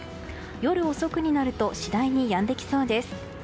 夜遅くになると次第にやんできそうです。